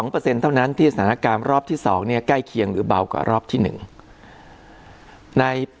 ๑๒เปอร์เซ็นต์เท่านั้นที่สถานการณ์รอบที่๒ใกล้เคียงหรือเบากว่ารอบที่๑